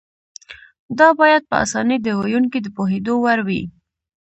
دا باید په اسانۍ د ویونکي د پوهېدو وړ وي.